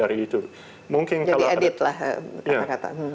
jadi editlah kata kata